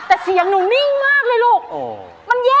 ตราบที่ทุกลมหายใจขึ้นหอดแต่ไอ้นั้น